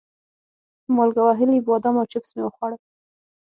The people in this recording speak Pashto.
مالګه وهلي بادام او چپس مې وخوړل.